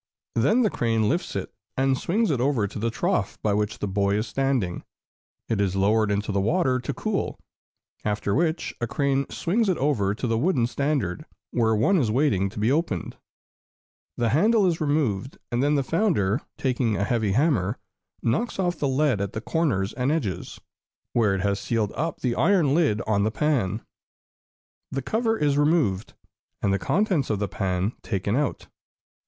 Then the crane lifts it and swings it over to the trough by which the boy is standing. It is lowered into the water to cool, after which a crane swings it over to the wooden standard, where one is waiting to be opened. The handle is removed, and then the founder, taking a heavy hammer, knocks off the lead at the corners and edges, where it has sealed up the iron lid on the pan. The cover is removed, and the contents of the pan taken out.